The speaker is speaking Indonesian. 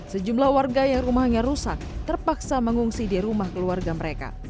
sejumlah warga yang rumahnya rusak terpaksa mengungsi di rumah keluarga mereka